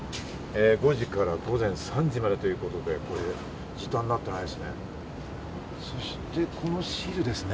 ５時から午前３時までということで、時短になっていないですね。